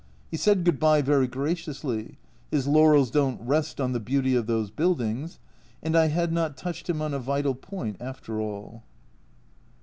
He said good bye very graciously his laurels don't rest on the beauty of those buildings, and I had not touched him on a vital point after all.